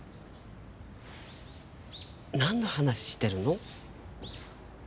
なんの話してるの？